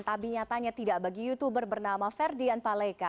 tapi nyatanya tidak bagi youtuber bernama ferdian paleka